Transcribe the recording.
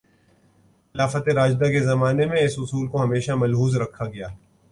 خلافتِ راشدہ کے زمانے میں اس اصول کو ہمیشہ ملحوظ رکھا گیا